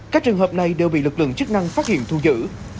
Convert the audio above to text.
các trường hợp này đều bị lực lượng chức năng phát hiện thu giữ